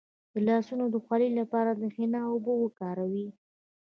د لاسونو د خولې لپاره د حنا اوبه وکاروئ